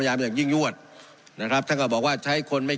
อย่างยิ่งยวดนะครับท่านก็บอกว่าใช้คนไม่